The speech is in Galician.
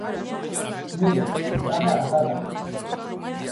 Mire, está embarazada.